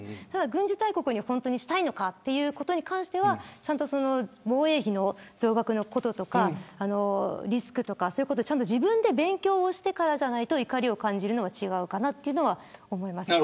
軍事大国に本当にしたいのかということに関しては防衛費の増額のこととかリスクとか自分で勉強をしてからじゃないと怒りを感じるのは違うかなと思います。